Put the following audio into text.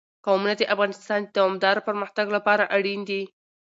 قومونه د افغانستان د دوامداره پرمختګ لپاره اړین دي.